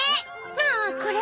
ああこれ？